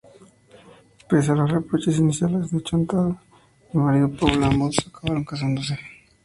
Pese a los reproches iniciales de Chantal y su marido Paul, ambos acaban casándose.